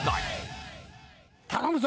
頼むぞ！